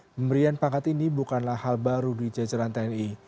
pemberian pangkat ini bukanlah hal baru di jajaran tni